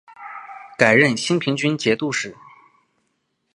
改任兴平军节度使。